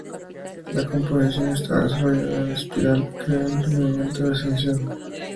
La composición está desarrollada en espiral, creando un movimiento de ascensión.